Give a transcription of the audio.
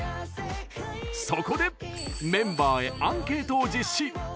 そこでメンバーへアンケートを実施！